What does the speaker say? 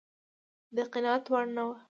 د قناعت وړ نه و.